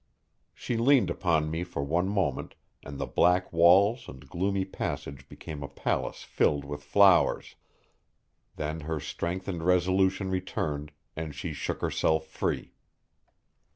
She leaned upon me for one moment, and the black walls and gloomy passage became a palace filled with flowers. Then her strength and resolution returned, and she shook herself free.